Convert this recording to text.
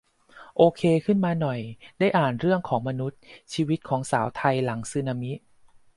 โอเคขึ้นมาหน่อย ได้อ่านเรื่องของมนุษย์ ชีวิตของสาวไทยหลังสึนามิ